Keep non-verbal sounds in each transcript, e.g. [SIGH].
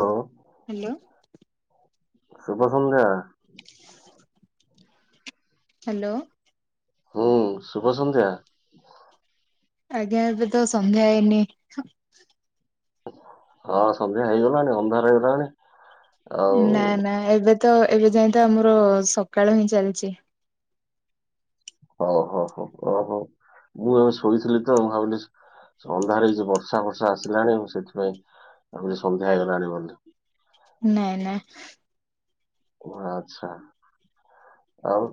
ହଉ ହ୍ୟାଲୋ। ଶୁଭ ସନ୍ଧ୍ୟା। [INAUDIBLE] ହ୍ୟାଲୋ। ହୁଁ ଶୁଭ ସନ୍ଧ୍ୟା। ଆଜ୍ଞା ଏବେ ତ ସନ୍ଧ୍ୟା ହେଇନି। ହଁ ସନ୍ଧ୍ୟା ହେଇଗଲାଣି ଅନ୍ଧାର ହେଇଗଲାଣି। ଆଉ ନା ନା ଏବେ ତ, ଏବେ ଯାଇ ତ ଆମର ସକାଳ ହିଁ ଚାଲିଛି। ଓ ହୋ ହୋ ଓ ହୋ। ମୁଁ ଏବେ ଶୋଇଥିଲି ତ ମୁଁ ଭାବିଲି ଅନ୍ଧାର ହେଇଚି ବର୍ଷା ଫର୍ଷା ଆସିଲାଣି ମୁଁ ସେଥିପାଇଁ ଭାବିଲି ସନ୍ଧ୍ୟା ହେଇଗଲାଣି ବୋଲି। ନାଇଁ ନାଇଁ। ଓ ଆଚ୍ଛା ଆଉ।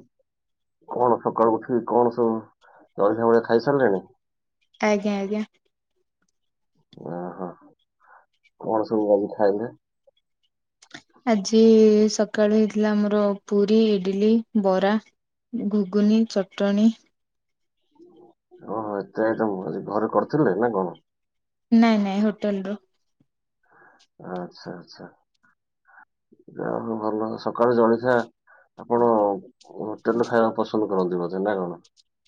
କଣ ସକାଳୁ ଉଠି କଣ ସବୁ ଜଳଖିଆ ଫଳଖିଆ ଖାଇ ସାରିଲେଣି? ଆଜ୍ଞା ଆଜ୍ଞା। ଆ ହଁ କଣ ସବୁ ଆଜି ଖାଇଲେ? ଆଜି ସକାଳୁ ହେଇଥିଲା ଆମର ପୁରୀ ଇଡିଲି ବରା। ଘୁଗୁନୀ ଚଟଣି। ଓହୋ, ଏତେ ଆଇଟମ ଏଇଘରେ କରିଥିଲେ ନା କଣ। ନାଇଁ ନାଇଁ ହୋଟେଲ ରୁ। ଆଛା, ଆଛା ଯାହାଉ ଭଲ, ସକାଳୁ ଜଳଖିଆ ଆପଣ ହୋଟେଲରୁ ଖାଇବାକୁ ପସନ୍ଦ କରନ୍ତି ବଧେ ନା କଣ?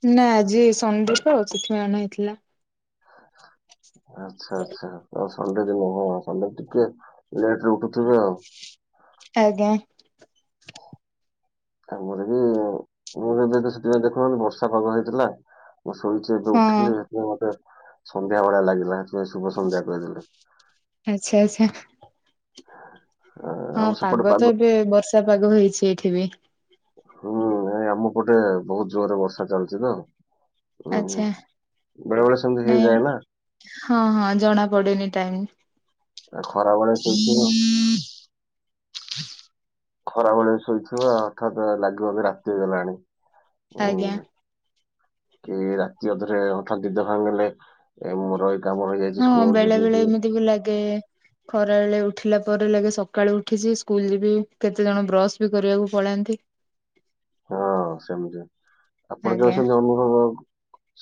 ନା ଆଜି ସଣ୍ଡେ ତ, ସେଥିପାଇଁ ଅଣା ହେଇଥିଲା। [INAUDIBLE] ଆଚ୍ଛା, ଆଚ୍ଛା ଅ ସଣ୍ଡେ ଦିନ ଓହୋ ସଣ୍ଡେ ରେ ଟିକେ ଲେଟରେ ଉଠୁଥିବେ ଆଉ। ହଁ [INAUDIBLE] ଆଜ୍ଞା। ଆମର ବି, ମୁ ଏବେ ସେଥିପାଇଁ ଦେଖୁନାହାନ୍ତି ବର୍ଷା ପାଗ ହେଇଥିଲା। ମୁଁ ଶୋଇଛି ଏବେ ହଁ। ଉଠିଲି ସେଥିପାଇଁ ମତେ ସନ୍ଧ୍ୟା ଭଳିଆ ଲାଗିଲା ହାରି। ସେ ଶୁଭ ସନ୍ଧ୍ୟା କହିଦେଲି। ଆଚ୍ଛା ଆଚ୍ଛା ଆ, ହଁ ଆମ ସେପଟେ ପାଗ ତ ଏବେ ବର୍ଷା ପାଗ ହେଇଛି ଏଇଠି ବି। ହୁଁ ଏ ଆମ ପଟେ ବହୁତ ଜୋରରେ ବର୍ଷା ଚାଲିଛି ତ। ହୁଁ ହୁଁ। ଆଛା! ବେଳେ ବେଳେ ସେମିତି ହେଇଯାଏ ନାଇଁ ନା ହଁ ହଁ ଜଣା ପଡେନି ଟାଇମ। ଖରା ବେଳେ [UNINTELLIGIBLE] ଖରା ଭେଳିଆ ବି ଶୋଇଥିବ ହଠାତ୍ ଲାଗିବ ବି ରାତି ହେଇଗଲାଣି। ଆଜ୍ଞା। ଉଁ। କି ରାତି ଅଧରେ ହଠାତ୍ ଦିଦ ଭାଙ୍ଗ ଗଲେ, ମୋର କାମ ରହିଯାଇଛି ହଁ ସ୍କୁଲ ବେଳେ ଯିବି ବେଳେ କି ଏମିତି ବି ଲାଗେ। ଖରା ବେଳେ ଉଠିଲା ପରେ ଲାଗେ ସକାଳୁ ଉଠିଛି। ସ୍କୁଲ ଯିବି କେତେ ଜଣ ବ୍ରଶ ବି କରିବାକୁ ପଳାନ୍ତି। ହଁ ସେମିତି, ଆପଣ ଯଉ ଆଜ୍ଞା ସେମିତି ଅନୁଭବ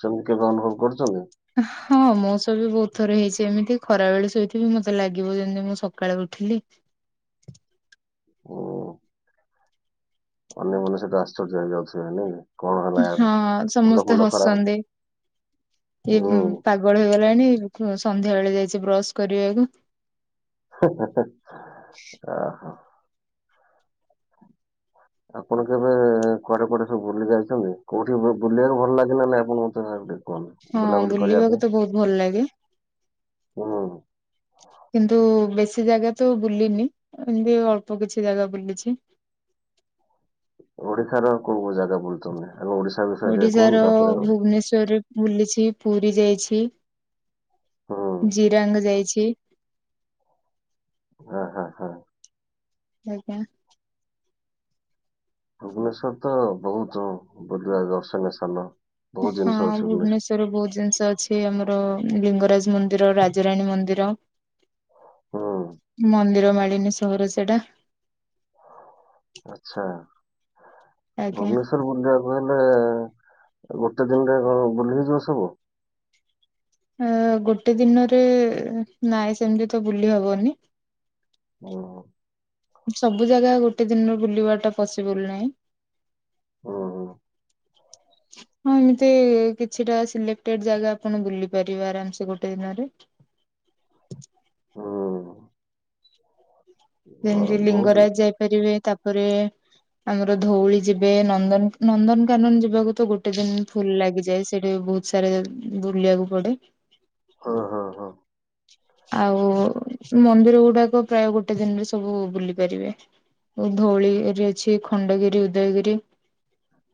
ସେମିତି କେବେ ଅନୁଭବ କରିଛନ୍ତି ହଁ, ମୋ ସହ ବି ବହୁତ ଥରେ ହେଇଛି। ଯେମିତି ଖରାବେେଳେ ଶୋଇଥିବି, ମତେ ଲାଗିବ ଯେମିତି ମୁଁ ସକାଳେ ଉଠିଲି। ହ [UNINTELLIGIBLE] ଅନ୍ୟ ମାନ ସେଇଟା ଆଶ୍ଚର୍ଯ୍ୟ ହେଇ ଯାଉଥିବେ ନାଇଁ କଣ ହେଲା ୟାର ହଁ ମୁଣ୍ଡ ସମସ୍ତେ ଫୁଣ୍ଡ ଖରାପ ହସନ୍ତି। ହୁଁ ଇଏ ପାଗଳ ହେଇଗଲାଣି। ସନ୍ଧ୍ୟା ବେଳେ ଯାଇଛି ବ୍ରଶ କରିବାକୁ ଓ ହୋ ହ ଓ ହୋ ଆପଣ କେବେ କୁଆଡ଼େ, କୁଆଡ଼େ, ସବୁ ବୁଲି ଯାଇଛନ୍ତି? କୋଉଠି ବୁଲିବାକୁ ଭଲ ଲାଗିଲ ନାଇଁ ଆପଣଙ୍କୁ ଟିକେ? କୁହନ୍ତୁ ହଁ ବୁଲାବୁଲି କରିବା ବୁଲିବାକୁ ପାଇଁ ତ ବହୁତ ଭଲ ଲାଗେ। ହୁଁ କିନ୍ତୁ ବେଶୀ କିଛି ଜାଗା ତ ବୁଲିନି ଏମିତି ଅଳ୍ପ କିଛି ଜାଗା ବୁଲିଛି ଓଡିଶାର କଉ କଉ ଜାଗା ବୁଲିଚନ୍ତି? ଓଡ଼ିଶାର ଭୁବନେଶ୍ଵରରେ ବୁଲିଛି, ପୁରୀ ଯାଇଛି ହୁଁ ଜିରାଙ୍ଗ ଯାଇଛି। ହଁ ହଁ ହଁ ଆଜ୍ଞା। ଭୁବନେଶ୍ଵର ତ ବହୁତ ବୁଲିବା ଦର୍ଶନୀୟ ସ୍ଥାନ। ବହୁତ ଜିନିଷ ହଁ ଅଛି ଭୁବନେଶ୍ୱର ଭୁବନେଶ୍ୱରରେ ବହୁତ ଜିନିଷ ଅଛି। ଏଇ ଆମର ଲିଙ୍ଗରାଜ ମନ୍ଦିର, ରାଜାରାଣୀ ମନ୍ଦିର ହୁଁ ମନ୍ଦିର ମାଳିନି ସହର ସେଟା ଆଛା, ଆଜ୍ଞା ଭୁବନେଶ୍ଵର ବୁଲିବାକୁ ଲେ ଗୋଟେ ଦିନରେ ବୁଲି ହେଇଯିବ ସବୁ। ଆ ଗୋଟେ ଦିନରେ ନାଇଁ ସେମିତି ତ ବୁଲି ହବନି ହ ହ ସବୁ ଜାଗା ଗୋଟେ ଦିନରୁ ବୁଲିବା ଟା ପସିବୁଲ ନାହିଁ ହଁ ହଁ ଏମିତି କିଛିଟା ସିଲେକ୍ଟେଡ ଜାଗା ଆପଣ ବୁଲି ପାରିବେ ଆରାମ ସେ ଗୋଟେ ଦିନରେ ହୁଁ ଅ, ଯେମିତି ବହୁତ ଲିଙ୍ଗରାଜ ଯାଇପାରିବେ ତାପରେ ଆମର ଧଉଳି ଯିବେ ନନ୍ଦନ ନନ୍ଦନକାନନ ଯିବାକୁ ତ ଗୋଟେ ଦିନ ଫୁଲ ଲାଗିଯାଏ ସେଠି ବହୁତ ସାରା ବୁଲିଆକୁ ପଡେ। ହଁ ହଁ ହଁ। ଆଉ ମନ୍ଦିର ଗୁଡାକ ପ୍ରାୟ ଗୋଟେ ଦିନରେ ସବୁ ବୁଲି ପାରିବେ। ଆଉ ଧଉଳି ରେ ଅଛି ଖଣ୍ଡଗିରି, ଉଦୟଗିରି।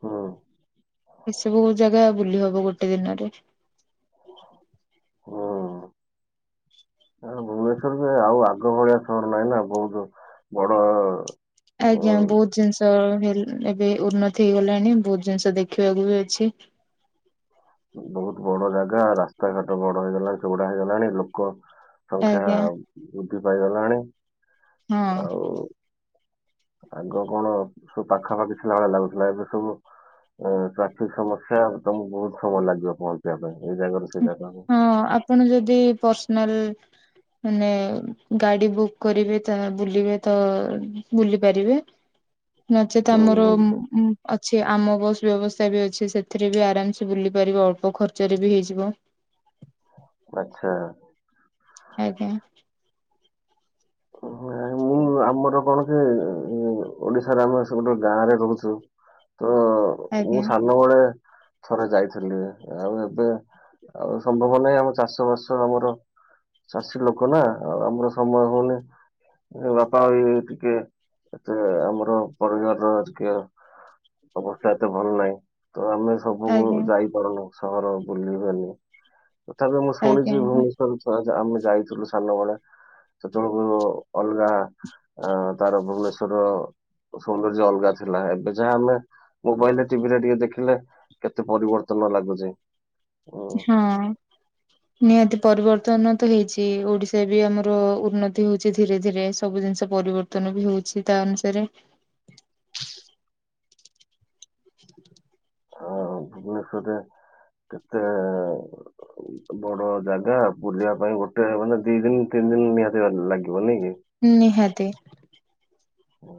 ହଁ। ଏସବୁ ଜାଗା ବୁଲି ହବ ଗୋଟେ ଦିନରେ। ହଁ। ଭୁବନେଶ୍ୱର ସେଇ ଆଉ ଆଗ ଭଳିଆ ସହର ନାହିଁ ନା ବହୁତ ବଡ଼ ଅ, ଆଜ୍ଞା ବହୁତ ଜିନିଷ ହେଲ ଏବେ ଉନ୍ନତି ହେଇଗଲାଣି ବହୁତ ଜିନିଷ ଦେଖିବାକୁ ବି ଅଛି। ଉ ବହୁତ ବଡ଼ ଜା ହେଇଗଲାଣି ଲୋକ ସଂଖ୍ୟା ଆଜ୍ଞା। ବୃଦ୍ଧି ପାଇଗଲାଣି। ହଁ। ଆଉ ଆଗ କଣ ସବୁ ପାଖାପାଖି ଥିଲା ଭଳିଆ ଲାଗୁଥିଲା ଏବେ ସବୁ ଉଁ ଟ୍ରାଫିକ ସମସ୍ୟା ତମକୁ ବହୁତ ସମୟ ଲାଗିବ ପହଁଞ୍ଚିବା ପାଇଁ। ଏଇ ଜାଗାରୁ ସେ ହୁଁ ଜାଗାକୁ ହଁ ଆପଣ ଯଦି ପର୍ସନାଲ ମାନେ ଗାଡ଼ି ବୁକ୍ କରିବେ ତା ବୁଲିବେ ତ ବୁଲି ପାରିବେ। ନଚେତ ହୁଁ ଆମର ହୁଁ ଉମ୍ ଉଁ ଅଛି ଆମ ବସ୍ ବ୍ୟବସ୍ଥା ବି ଅଛି ସେଥିରେ ବି ଆରାମସେ ବୁଲି ପାରିବେ ଅଳ୍ପ ଖର୍ଚ୍ଚରେ ବି ହେଇଯିବ। ଆଚ୍ଛା। ଆଜ୍ଞା। ନାଇଁ, ମୁଁ ଆମର କଣ କି ଉଁ, ଓଡ଼ିଶାରେ ଆମେ ସବୁଠୁ ଗାଁରେ ରହୁଛୁ ତ ମୁଁ ଆଜ୍ଞା ସାନବେଳେ ଥରେ ଯାଇଥିଲି ଆଉ ଏବେ ଆଉ ସମ୍ଭବ ନାହିଁ ଆମ ଚାଷ ବାସ ଆମର ଚାଷୀ ଲୋକ ନା ଆଉ ଆମର ସମୟ ହଉନି। ଉ ବାପା ବି ଟିକେ ଏତେ ଆଉ ଆମର ପରିବାରର ଆଜିକିଆ ଅବସ୍ଥା ଏତେ ଭଲ ନାଇଁ। ତ ଆମେ ସବୁକୁ ଆଜ୍ଞା ଯାଇପାରୁନୁ ସହର ବୁଲିବାଲି। ତଥାପି ମୁଁ ଆଜ୍ଞା ଶୁଣିଚି ଆଜ୍ଞା ଭୁବନେଶ୍ୱର ଚ ଆମେ ଯାଇଥିଲୁ ସାନବେଳେ ସେତେବେଳକୁ ଅଲଗା ଅଁ ତାର ଭୁବନେଶ୍ୱ ର ସୌନ୍ଦର୍ଯ୍ୟ ଅଲଗା ଥିଲା ଏବେ ଯାହା ଆମେ ମୋବାଇଲରେ ଟିଭିରେ ଟିକେ ଦେଖିଲେ କେତେ ପରିବ ର୍ତ୍ତନ ଲାଗୁଚି। ହଁ ନିହାତି ପରିବର୍ତ୍ତନ ତ ହେଇଛି ଓଡ଼ିଶା ବି ଆମର ଉନ୍ନତି ହଉଛି ଧୀରେ ଧୀରେ ସବୁ ଜିନିଷ ପରିବର୍ତ୍ତନ ବି ହଉଛି ତା ଅନୁସାରେ। ଆ, ଭୁବନେଶ୍ୱରରେ କେତେ ବଡ ଜାଗା ବୁଲିଆ ପାଇଁ ଗୋଟେ ମାନେ ଦି ଦିନି ତି ଦିନ ନିହାତି ଆ ଲାଗିବ ନାଇଁ କି? ନିହାତି। ହୁଁ।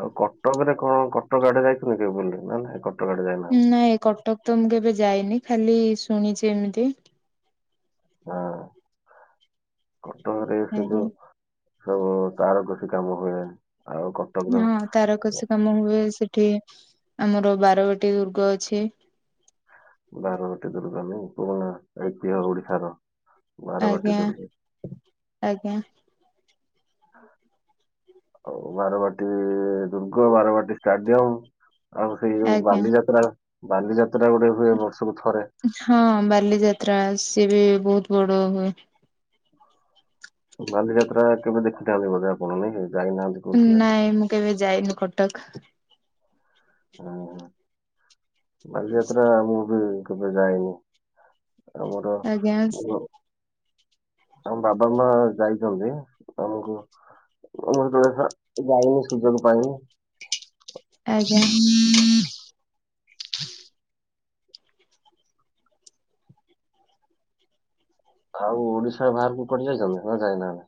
ଆଉ କଟକ ରେ କଣ କଟକ ଆଡେ ଯାଇଛନ୍ତି କେବେ ବୁଲି ନା ନାହିଁ କ ନାଇଁ କଟକ ତ ମୁଁ କେବେ ଯାଇନି ଖାଲି ଶୁଣିଛି ଏମିତି। ହଁ କଟକରେ ସେ ଆଜ୍ଞା ଯୋଉ ସବୁ ତାରକସି କାମ ହୁଏ। ଆଉ କଟକର ହଁ ତାରକସି କାମ ହୁଏ ସେଠି ଆମର ବାରବାଟୀ ଦୁର୍ଗ ଅଛି। ବାରବାଟୀ ଦୁର୍ଗ [UNINTELLIGIBLE] ପୁରୁଣା ଐତିହ ଓଡିଶାର। ବାରବାଟୀ ଆଜ୍ଞା ଦୁର୍ଗ ଆଜ୍ଞା। ଆଉ ବାରବାଟୀ ଇ-ଇ ଦୁର୍ଗ ବାରବାଟୀ ଷ୍ଟାଡିୟମ ଆଉ ସେଇ ଯୋଉ ଆଜ୍ଞା। ବାଲିଯାତ୍ରା ବାଲିଯା ହଁ ବାଲିଯାତ୍ରା ସିଏ ବି ବହୁତ ବଡ ହୁଏ। ବାଲିଯାତ୍ରା କେବେ ଦେଖିନାନ୍ତି ବୋଧେ ଆପଣ ନାଇଁ କି? ଯାଇନାହାନ୍ତି କହୁଥିଲେ ନାଇଁ ମୁଁ କେବେ ଯାଇନି କଟକ ହୁଁ ବାଲିଯାତ୍ରା ମୁଁ ବି କେବେ ଯାଇନି। ଆମର ଆଜ୍ଞା [UNINTELLIGIBLE] ଆମ ବାବା ମା ଯାଇଚନ୍ତି ତମକୁ ମୁଁ କେବେ ଯା ଯାଇନି ସୁଯୋଗ ପାଇନି। ଆଜ୍ଞା। ଆଉ ଓଡିଶା ବାହାରକୁ କୁଆଡେ ଯାଇଚନା ନା କୁଆଡେ ଯାଇନାହାନ୍ତି?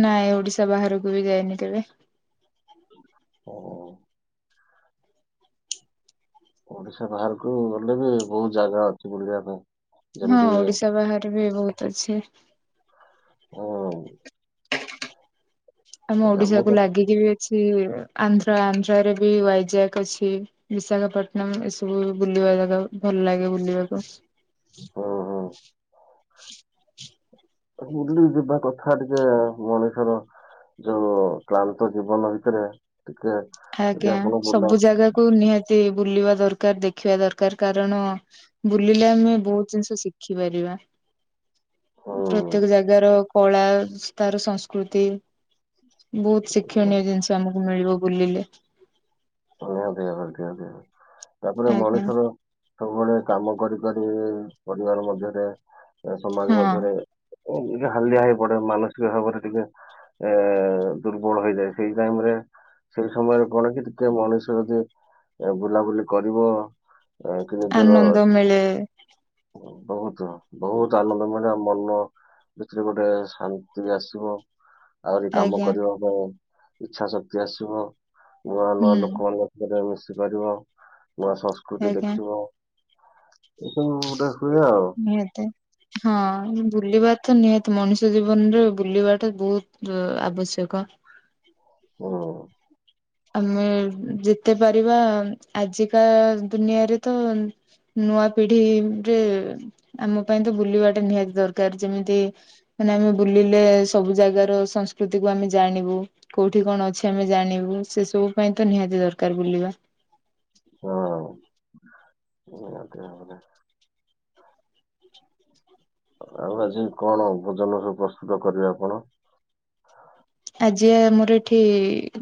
ନାଇଁ ଓଡିଶା ବାହାରକୁ ବି ଯାଇନି କେବେ। ହ ଓଡିଶା ବାହାରକୁ ଗଲେ ବି ବହୁତ ଜାଗା ଅଛି ବୁଲିବା ପାଇଁ। ହଁ ଯେମିତି ଓଡିଶା ବାହାରେ ବି ବହୁତ ଅଛି ଉଁ, ଆମ ଜାମ୍ମୁ ଓଡିଶାକୁୁ କା- ଲାଗିକି ବି ଛି ଏ ଆନ୍ଧ୍ରା ଆନ୍ଧ୍ରରେ ବି ୱାଇଜାକ୍ ଅଛି ବିଶାଖାପଟଣମ ଏସବୁ ବୁଲି [UNINTELLIGIBLE] ଭଲ ଲାଗେ ବୁଲିବାକୁ ହଁ ହଁ। [UNINTELLIGIBLE] ବୁଲି ଯିବା କଥା ଟିକେ ମଣିଷର ଯୋଉ କ୍ଲାନ୍ତ ଜୀବନ ଭିତରେ ଟିକେ ଯଦି ଆଜ୍ଞା ଆପଣ ବୁଲା ସବୁ ଜାଗାକୁ ନିହା ଯେ ବୁଲିବା ଦରକାର ଦେଖିବା ଦରକାର କାରଣ ବୁଲିଲେ ଆମେ ବହୁତ ଜିନିଷ ଶିଖିପାରିବା। [INAUDIBLE] ହୁଁ ପ୍ରତ୍ୟେକ ଜାଗାର କଳା ସ ତାର ସଂସ୍କୃତି ବହୁତ ଶିକ୍ଷଣୀୟ ଜିନିଷ ଆମକୁ ମିଳିବ ବୁଲିଲେ। ନିହାତି [UNINTELLIGIBLE] ତାପରେ ଆଜ୍ଞା ମଣିଷର ସବୁବେଳେ କାମ କରି କରି ଉ ପରିବାର ମଧ୍ୟରେଏ ସମାଜ ହଁ ମଧ୍ୟରେ ଉଁ ଇଏ ହାଲିଆ ହେଇ ପଡେ ମାନସିକ ଭାବରେ ଟିକେ ଏ ଦୁର୍ବଳ ହେଇଯାଏ ସେଇ ଟାଇମ ରେ ସେଇ ସମୟରେ କଣ କି ଟିକେ ମଣିଷ ଯଦି ଏ ବୁଲାବୁଲି କରିବ ଯାହା କି ନିଜର ଆନନ୍ଦ ମିଳେ ବହୁତ ବହୁତ ଆନନ୍ଦ ମିଳେ ଆଉ ମନ ସେଥିରେ ଗୋଟେ ଶାନ୍ତି ଆସିବ ଆହୁରି କାମ ଆଜ୍ଞା କରିବା ପାଇଁ ଇଚ୍ଛା ଶକ୍ତି ଆସିବ ନୂଆ ନୂଆ ହୁଁ। ଲୋ [UNINTELLIGIBLE] ମିଶିପାରିବ ନୂଆ ସଂସ୍କୃତି ଆଜ୍ଞା ଦେଖିବ। [UNINTELLIGIBLE] ନିହାତି ହଁ। ବୁଲିବା ତ ନିହାତି ମଣିଷ ଜୀବନରେ ବୁଲିବା ଟା ବହୁତ ଉଁ ଆବଶ୍ୟକ। ହଁ। ଆମେ ଯେତେ ପାରିବା ଆଜିକା ଦୁନିଆରେ ତ ନୂଆ ପିଢି ରେ ଆମ ପାଇଁ ତ ବୁଲିବାଟା ନିହାତି ଦରକାର ଯେମିତି ମାନେ ଆମେ ବୁଲିଲେ ସବୁ ଜାଗାର ସଂସ୍କୃତିକୁ ଆମେ ଜାଣିବୁ କୋଉଠି କଣ ଅଛି ଆମେ ଜାଣିବୁ ସେ ସବୁ ପାଇଁତ ନିହାତି ଦରକାର ବୁଲିବା। ହଁ ନିହାତି ଭାବରେ। [INAUDIBLE] ଆଉ ଆଜି କଣ ଭୋଜନ ସବୁ ପ୍ରସ୍ତୁତ କରିବେ ଆପଣ? ଆଜି ଆମର ଏଠି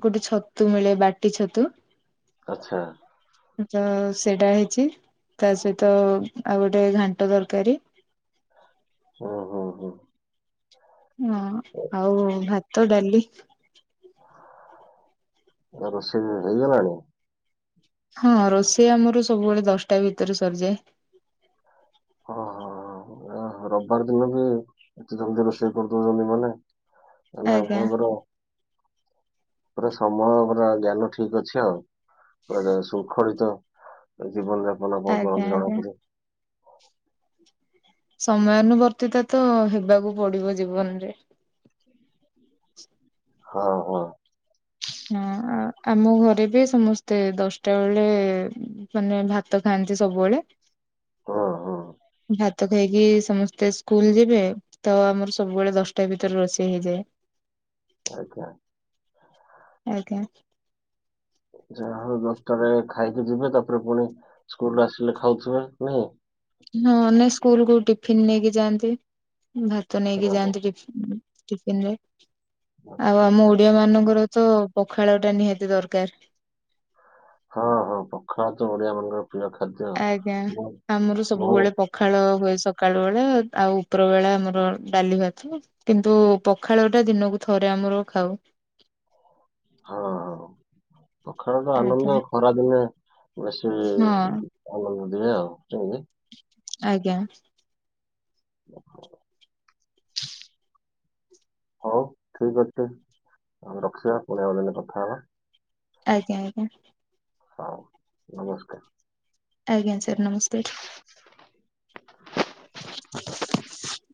ଗୋଟେ ଛତୁ ମିଳେ ବାଟି ଛତୁ ଆଚ୍ଛା। ତ ସେଇଟା ହେଇଛି ତା ସହିତ ଆଉ ଗୋଟେ ଘାଣ୍ଟ ଦରକାରୀ। ହୁଁ ହୁଁ ହୁଁ। ହଁ ଆଉ ଭାତ ଡାଲି ଆଉ ରୋଷେଇ ହେଇଗଲାଣି? ହଁ ରୋଷେଇ ଆମର ସବୁବେଳେ ଦଶଟା ଭିତରେ ସରିଯାଏ। ଓହୋ ରବିବାର ଦିନ ବି ଏତେ ଜଲଦି ରୋଷେଇ କରିଦଉଚନ୍ତି ମାନେ ଏଇନା ଆଜ୍ଞା ଆପଣଙ୍କର ପୁରା ସମୟ ପୁରା ଜ୍ଞାନ ଠିକ ଅଛି ଆଉ। ପୁରା ସ ଶୃଙ୍ଖଳିତ ଜୀବନ ଯାପନ ଆପଣ ଆଜ୍ଞା କରନ୍ତି ଆଜ୍ଞା ଜଣାପଡେ। ସମୟାନୁବର୍ତ୍ତିତ ତ ହେବାକୁ ପଡିବ ଜୀବନରେ। [INAUDIBLE] ହଁ ହଁ। ହଁ ଆ ଆମ ଘରେ ବି ସମସ୍ତେ ଦଶଟା ବେଳେ ମାନେ ଭାତ ଖାଆନ୍ତି। ଏଠି ସବୁବେଳେ। ହଁ ହଁ। ତ ଖାଇକି ସମସ୍ତେ ସ୍କୁଲ ଯିବେ ତ ଆମର ସବୁବେଳେ ଦଶଟା ଭିତରେ ରୋଷେଇ ହେଇଯାଏ। ଆଜ୍ଞା। ଆଜ୍ଞା। ଯାହା ହଉ ଦଶଟାରେ ଖାଇକି ଯିବେ ତାପରେ ପୁଣି ସ୍କୁଲରେ ଆସିଲେ ଖାଉଥିବେ ନାଇ। ହଁ ନାଇଁ ସ୍କୁଲକୁ ଟିଫନ୍ ନେଇକି ଯାଆନ୍ତି, ଭାତ ନେଇକି ହଁ ହଁ ଯାଆନ୍ତି ଟିଫ ଟିଫିନ୍ ରେ ଆଚ୍ଛା ଆଉ ଆମ ଆଚ୍ଛା। ଓଡିଆ ମାନଙ୍କର ତ ପଖାଳ ଟା ନିହାତି ଦରକାର। ହଁ ହଁ ପଖାଳ ତ ଓଡ଼ିଆ ମାନଙ୍କର ଆଜ୍ଞା ଆମର ମୋର ସବୁବେଳେ ପଖାଳ ହୁଏ ସକାଳୁ ବେଳେ ଆଉ ଉପର ବେଳା ଆମର ଡାଲି ଭାତ କିନ୍ତୁ ପଖାଳ ଟା ଦିନକୁ ଥରେ ଆମର ଖାଉ। ହଁ ହଁ। ପଖାଳ ତ ଆଜ୍ଞା ଆନନ୍ଦ, ଖରା ଦିନେ ବେଶି ହଁ ଆନନ୍ଦ ଦିଏ ଆଉ ସେମିତି ଆଜ୍ଞା। ପଖାଳ ହଉ ଠିକ ଅଛି ଆମେ ରଖିବା, ପୁଣି ଆଉ ଦିନେ କଥା ହେବା। ଆଜ୍ଞା ଆଜ୍ଞା। ହଁ ନମସ୍କାର। ଆଜ୍ଞା ସାର୍ ନମସ୍କାର। [INAUDIBLE]